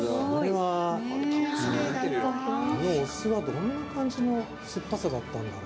あの、お酢はどんな感じの酸っぱさだったんだろう。